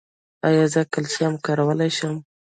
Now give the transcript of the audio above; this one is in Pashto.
ایا زه کلسیم کارولی شم؟